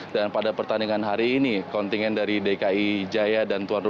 dan pada pertandingan hari ini kontingen dari dki jaya dan tuan mbak